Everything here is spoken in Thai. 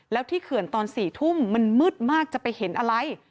แล้วที่เขื่อนตอน๔ทุ่มมันมืดมากจะไปเห็นอะไร